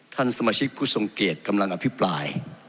ท่านสมาชิกผู้ทรงเกียจกำลังอภิปราย